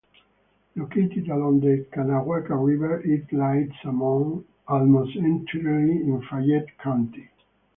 Located along the Kanawha River, it lies almost entirely in Fayette County.